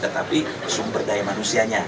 tetapi sumber daya manusianya